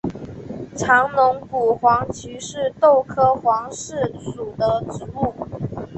长龙骨黄耆是豆科黄芪属的植物。